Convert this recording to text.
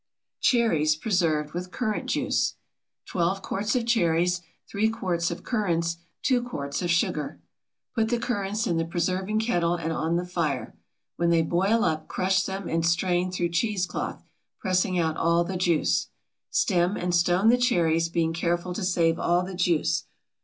CHERRIES PRESERVED WITH CURRANT JUICE. 12 quarts of cherries. 3 quarts of currants. 2 quarts of sugar. Put the currants in the preserving kettle and on the fire. When they boil up crush them and strain through cheese cloth, pressing out all the juice. Stem and stone the cherries, being careful to save all the juice.